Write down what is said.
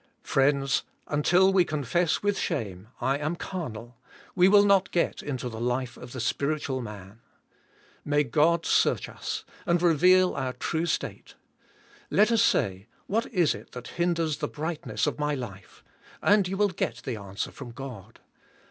Friends, until we confess with shame, I am carnal, we will not get into the life of the spiritual man. 6 THE SPIRITUAL LIF:^. May God search us, anU reveal our true state. Let us say, what, is it that hinders the brig htness of my life? and you will g et the answer from God.